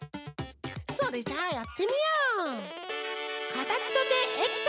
それじゃあやってみよう！